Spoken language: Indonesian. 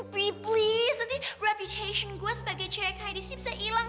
pipi please nanti reputasi gue sebagai cewek kayak disini bisa hilang